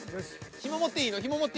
ひも持っていいの？